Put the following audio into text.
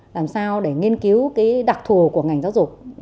làm sao để nghiên cứu cái đặc thù của ngành giáo dục